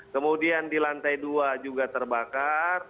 kemudian di lantai dua juga terbakar